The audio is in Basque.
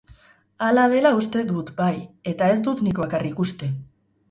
Hala dela uste dut, bai, eta ez dut nik bakarrik uste.